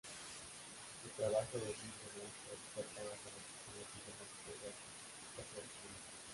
Su trabajo de fin de máster trataba sobre sistemas informáticos de alta versatilidad.